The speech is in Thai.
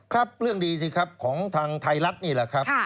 ครับเรื่องดีสิครับของทางไทยรัฐนี่แหละครับ